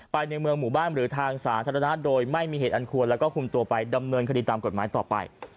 ในเมืองหมู่บ้านหรือทางสาธารณะโดยไม่มีเหตุอันควรแล้วก็คุมตัวไปดำเนินคดีตามกฎหมายต่อไป